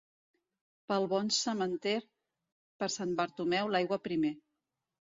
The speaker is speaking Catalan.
Pel bon sementer, per Sant Bartomeu l'aigua primer.